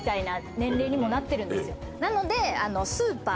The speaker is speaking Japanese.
なので。